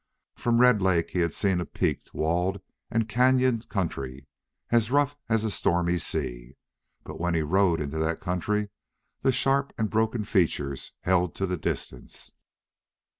From Red Lake he had seen a peaked, walled, and canyoned country, as rough as a stormy sea; but when he rode into that country the sharp and broken features held to the distance.